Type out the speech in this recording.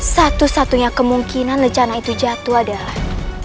satu satunya kemungkinan lecana itu jatuh adalah